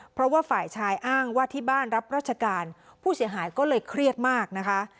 เพราะว่าฝ่ายชายอ้างว่าที่บ้านรับราชการผู้เสียหายก็เลยเครียดมากนะคะ